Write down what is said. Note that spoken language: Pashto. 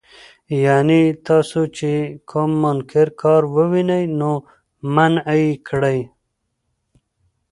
يعني تاسو چې کوم منکر کار ووينئ، نو منعه يې کړئ.